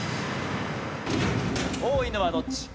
多いのはどっち？